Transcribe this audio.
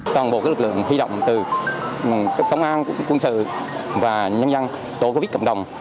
toàn bộ các lực lượng thuy động từ công an quân sự và nhân dân tổ covid cộng đồng